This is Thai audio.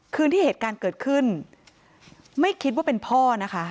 คืนที่เหตุการณ์เกิดขึ้นไม่คิดว่าเป็นพ่อนะคะ